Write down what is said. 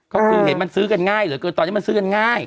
ก็คือเห็นมันซื้อกันง่ายเหลือเกินตอนนี้มันซื้อกันง่าย